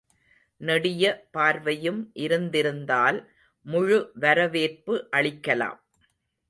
நெடிய பார்வையும் இருந்திருந்தால் முழு வரவேற்பு அளிக்கலாம்.